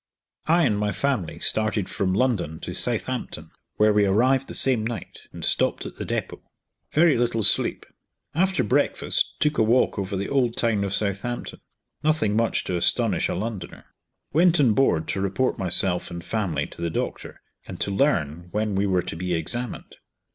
I and my family started from London to Southampton, where we arrived the same night, and stopped at the depot. Very little sleep. After breakfast took a walk over the old town of Southampton nothing much to astonish a Londoner. Went on board to report myself and family to the doctor, and to learn when we were to be examined.